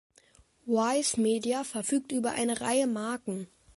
Vice Media verfügt über eine Reihe Marken.